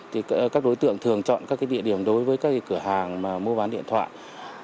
thì các đối tượng thường chọn các địa điểm đối với các cửa hàng mua bán điện thoại